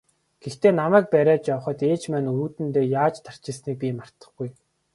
Гэхдээ намайг бариад явахад ээж маань үүдэндээ яаж тарчилсныг би мартахгүй.